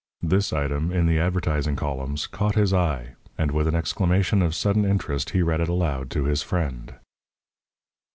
This item, in the advertising columns, caught his eye, and with an exclamation of sudden interest he read it aloud to his friend.